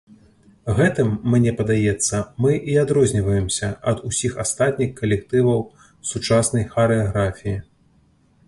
Гэтым, мне падаецца, мы і адрозніваемся ад усіх астатніх калектываў сучаснай харэаграфіі.